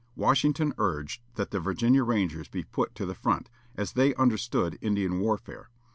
Washington urged that the Virginia Rangers be put to the front, as they understood Indian warfare.